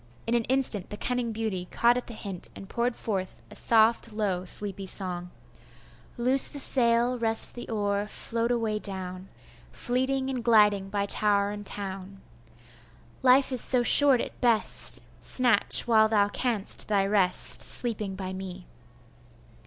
In an instant the cunning beauty caught at the hint, and poured forth a soft, low, sleepy song: 'Loose the sail, rest the oar, float away down, Fleeting and gliding by tower and town; Life is so short at best! snatch, while thou canst, thy rest, Sleeping by me!